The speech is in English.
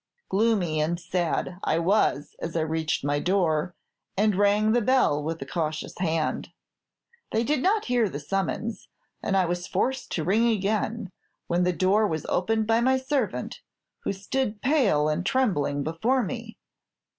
"Gloomy and sad I was as I reached my door, and rang the bell with a cautious hand. They did not hear the summons, and I was forced to ring again, when the door was opened by my servant, who stood pale and trembling before me.